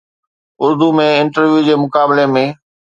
Urdu ۾ interview جي مقابلي ۾